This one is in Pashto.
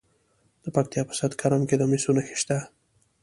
د پکتیا په سید کرم کې د مسو نښې شته.